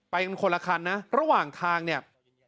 ไปกันคนละคันนะระหว่างทางเนี่ย